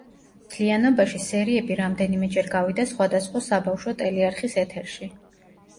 მთლიანობაში, სერიები რამდენიმეჯერ გავიდა სხვადასხვა საბავშვო ტელეარხის ეთერში.